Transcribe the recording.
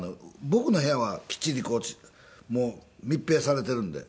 僕の部屋はきっちりこうもう密閉されてるんで。